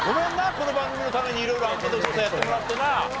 この番組のために色々アンケート調査やってもらってな。